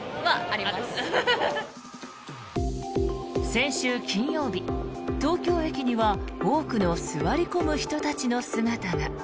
先週金曜日、東京駅には多くの座り込む人たちの姿が。